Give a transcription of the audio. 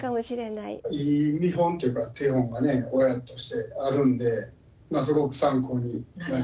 いい見本っていうか手本がね親としてあるんですごく参考になりますね。